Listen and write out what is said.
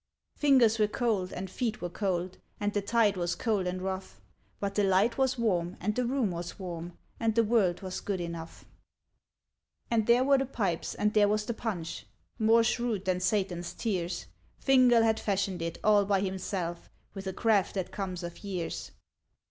Fingers were cold and feet were cold. And the tide was cold and rough ; But the light was warm, and the room was warm. And the world was good enough. RETURN OF MORGAN AND FINGAL 107 And there were the pipes, and there was the punch, More shrewd than Satan's tears : Fingal had fashioned it, all by himself. With a craft that comes of years.